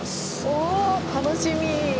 おお楽しみ。